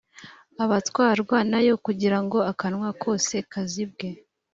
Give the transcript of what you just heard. abatwarwa na yo kugira ngo akanwa kose kazibwe